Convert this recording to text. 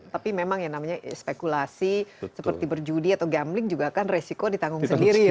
tapi memang yang namanya spekulasi seperti berjudi atau gambling juga kan resiko ditanggung sendiri ya